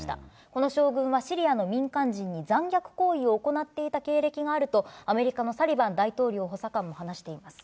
この将軍はシリアの民間人に残虐行為を行っていた経歴があると、アメリカのサリバン大統領補佐官は話しています。